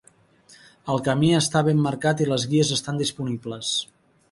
El camí està ben marcat i les guies estan disponibles.